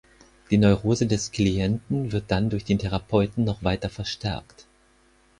Die Neurose des Klienten wird dann durch den Therapeuten noch weiter verstärkt.